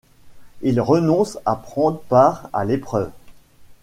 Il renonce à prendre part à l’épreuve.